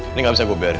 ini gak bisa gue biarin